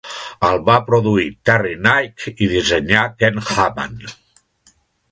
El va produir Terry Knight i dissenyar Ken Hamann.